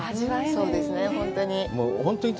そうですね、本当に。